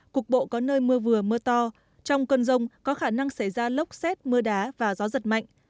cục bộ có nơi mưa vừa mưa to trong cơn rông có khả năng xảy ra lốc xét mưa đá và gió giật mạnh